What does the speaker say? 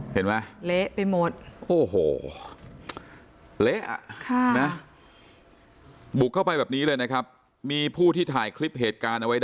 เห็นมั้ยเละไปหมด